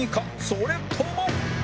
それとも